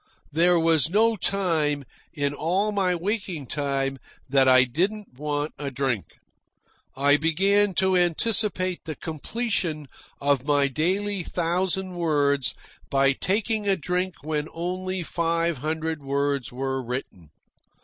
There was no time, in all my waking time, that I didn't want a drink. I began to anticipate the completion of my daily thousand words by taking a drink when only five hundred words were written.